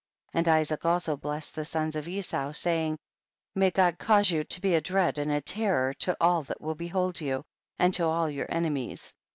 6. And Isaac also blessed the sons of Esau, saying, may God cause you to be a dread and a terror to all that will behold you, and to all your ene mies.